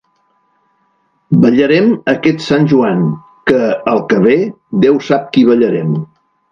Ballarem aquest sant Joan que, al que ve, Déu sap qui ballarem.